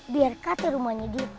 biar kata rumahnya dia